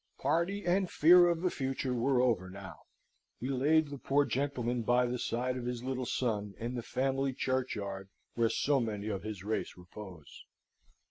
Party and fear of the future were over now. We laid the poor gentleman by the side of his little son, in the family churchyard where so many of his race repose.